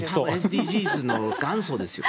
ＳＤＧｓの元祖ですよ